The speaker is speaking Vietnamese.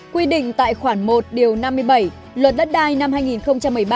quy định tại khoản một điều năm mươi bảy luật đất đai năm hai nghìn một mươi ba